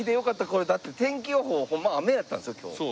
これだって天気予報ホンマは雨やったんですよ今日。